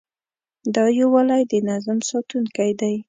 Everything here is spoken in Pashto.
دا یووالی د نظم ساتونکی دی.